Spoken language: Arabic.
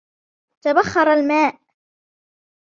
تبخر الماء